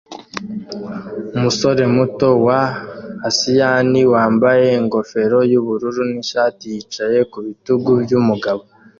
umusore muto wa asiyani wambaye ingofero yubururu nishati yicaye ku bitugu byumugabo